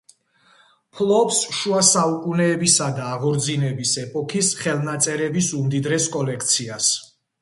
ფლობს შუა საუკუნეებისა და აღორძინების ეპოქის ხელნაწერების უმდიდრეს კოლექციას.